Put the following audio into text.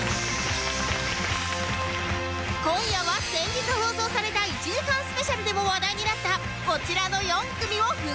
今夜は先日放送された１時間スペシャルでも話題になったこちらの４組を深掘り！